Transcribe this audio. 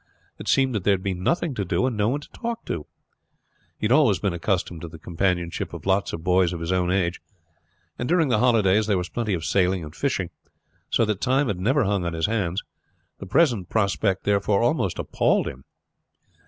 It seemed that there would be nothing to do and no one to talk to. He had always been accustomed to the companionship of lots of boys of his own age, and during the holidays there was plenty of sailing and fishing, so that time had never hung on his hands; the present prospect therefore almost appalled him.